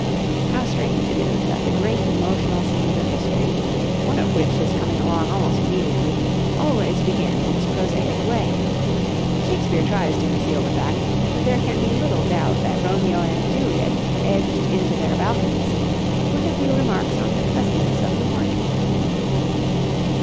How strange it is that the great emotional scenes of history, one of which is coming along almost immediately, always begin in this prosaic way. Shakespeare tries to conceal the fact, but there can be little doubt that Romeo and Juliet edged into their balcony scene with a few remarks on the pleasantness of the morning.